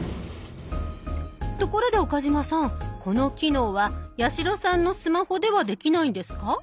ところで岡嶋さんこの機能は八代さんのスマホではできないんですか？